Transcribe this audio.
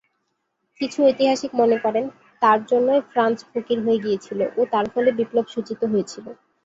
কিছু ঐতিহাসিক মনে করেন, তার জন্যই ফ্রান্স ফকির হয়ে গিয়েছিল ও তার ফলে বিপ্লব সূচিত হয়েছিল।